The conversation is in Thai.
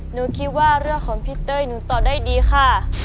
หนูคิดว่าเรื่องของพี่เต้ยหนูตอบได้ดีค่ะ